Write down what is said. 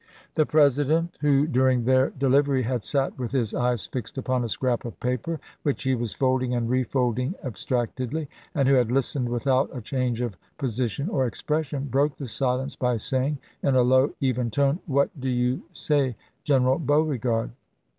The President, who during their delivery had sat with his eyes fixed upon a scrap of paper, which he was folding and refolding ab stractedly, and who had listened without a change of posi tion or expression, broke the silence by saying in a low, even tone ," What do you say, General Beauregard?